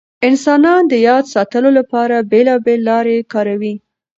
انسانان د یاد ساتلو لپاره بېلابېل لارې کاروي.